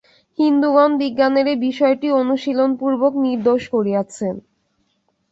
হিন্দুগণ বিজ্ঞানের এই বিষয়টি অনুশীলনপূর্বক নির্দোষ করিয়াছেন।